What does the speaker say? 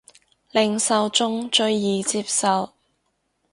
令受眾最易接受